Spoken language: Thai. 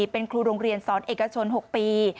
เป็นครูโรงเรียนสอนเอกชน๖ปี